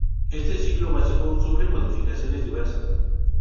Este ciclo básico sufre modificaciones diversas.